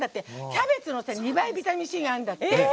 キャベツの２倍ビタミンＣがあるんだって。